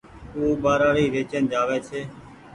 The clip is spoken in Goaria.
او ٻآرآڙي ويچين جآوي ڇي